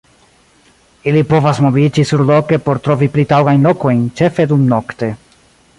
Ili povas moviĝi surloke por trovi pli taŭgajn lokojn, ĉefe dumnokte.